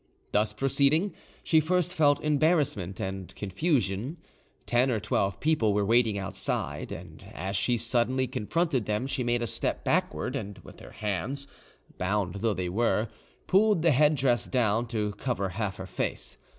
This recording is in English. Thus proceeding, she first felt embarrassment and confusion. Ten or twelve people were waiting outside, and as she suddenly confronted them, she made a step backward, and with her hands, bound though they were, pulled the headdress down to cover half her face.